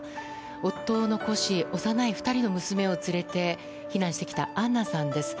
夫を残し、幼い２人の娘を連れて避難してきたアンナさんです。